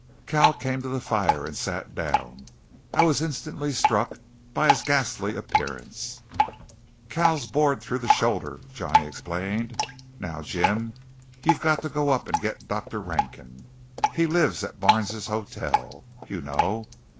Cal came to the fire and sat down. I was instantly struck by his ghastly appearance. "Cal's bored through the shoulder," Johnny explained. "Now, Jim, you've got to go up and get Dr. Rankin. He lives at Barnes's hotel, you know.